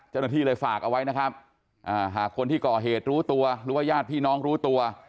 เจ้าหน้าที่เลยฝากเอาไว้นะครับหากคนที่ก่อเหตุรู้ตัวหรือว่าญาติพี่น้องรู้ตัว